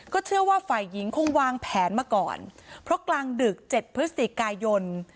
เชื่อว่าฝ่ายหญิงคงวางแผนมาก่อนเพราะกลางดึกเจ็ดพฤศจิกายน